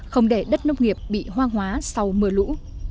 không để đất nông nghiệp bị hoang hóa sau mưa lũ